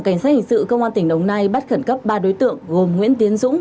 cảnh sát hình sự công an tỉnh đồng nai bắt khẩn cấp ba đối tượng gồm nguyễn tiến dũng